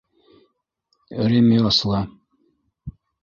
Ремесла.